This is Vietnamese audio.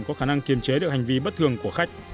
có khả năng kiềm chế được hành vi bất thường của khách